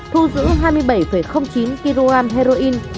thu giữ hai mươi bảy chín kg heroin